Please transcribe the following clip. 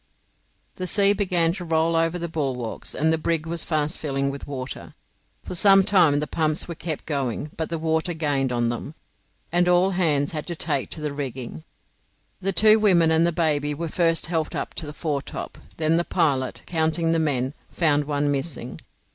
The sea began to roll over the bulwarks, and the brig was fast filling with water. For some time the pumps were kept going, but the water gained on them, and all hands had to take to the rigging. The two women and the baby were first helped up to the foretop; then the pilot, counting the men, found one missing.